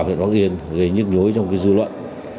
huyện bắc yên gây nhức nhối trong dư luận